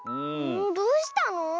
どうしたの？